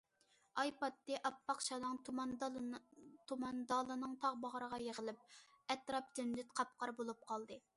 ئاي پاتتى، ئاپئاق، شالاڭ تۇمان دالىنىڭ تاغ باغرىغا يىغىلىپ، ئەتراپ جىمجىت، قاپقارا بولۇپ قالدى.